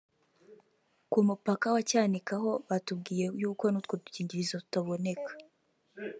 ku mupaka wa Cyanika ho batubwiye yuko n’utwo dukingirizo tutaboneka